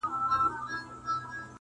سیلۍ به وړی رژولی یمه -